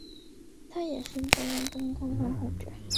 他也是勃兰登堡藩侯。